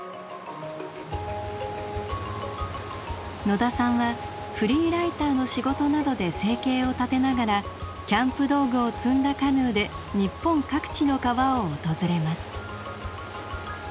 野田さんはフリーライターの仕事などで生計を立てながらキャンプ道具を積んだカヌーで日本各地の川を訪れます。